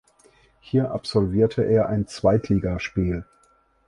Hier absolvierte er ein Zweitligaspiel.